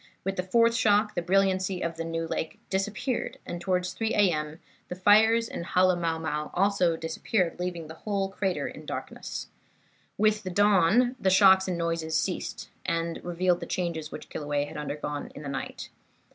With the fourth shock the brilliancy of New Lake disappeared, and towards 3 A. M. the fires in Halemaumau disappeared also, leaving the whole crater in darkness. "With the dawn the shocks and noises ceased, and revealed the changes which Kilauea had undergone in the night.